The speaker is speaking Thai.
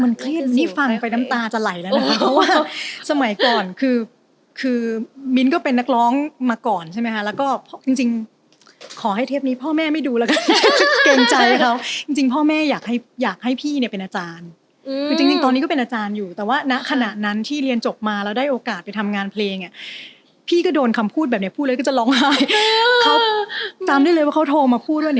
มันเครียดนี่ฟังไปน้ำตาจะไหลแล้วนะครับเพราะว่าสมัยก่อนคือคือมิ้นก็เป็นนักร้องมาก่อนใช่ไหมฮะแล้วก็จริงขอให้เทปนี้พ่อแม่ไม่ดูแล้วกันเกรงใจเขาจริงพ่อแม่อยากให้อยากให้พี่เนี่ยเป็นอาจารย์จริงตอนนี้ก็เป็นอาจารย์อยู่แต่ว่านะขณะนั้นที่เรียนจบมาแล้วได้โอกาสไปทำงานเพลงเนี่ยพี่ก็โดน